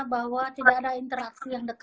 bahwa tidak ada interaksi yang dekat